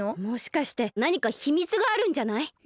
もしかしてなにかひみつがあるんじゃない？